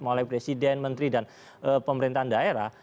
mulai presiden menteri dan pemerintahan daerah